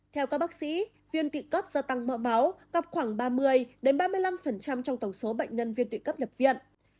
theo các bác sĩ viêm tụy cấp do tăng mỡ máu gặp khoảng ba mươi ba mươi năm trong tổng số bệnh nhân viêm tụy cấp nhập viện